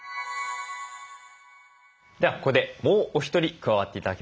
ではここでもうお一人加わって頂きます。